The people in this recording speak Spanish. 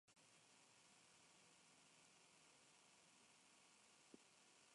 El sándwich tradicional de pepino es de origen británico.